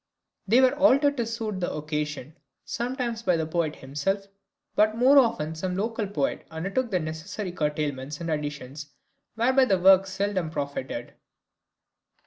They were altered to suit the occasion sometimes by the poet himself, but more often some local poet undertook the necessary curtailments and additions, whereby the work seldom profited.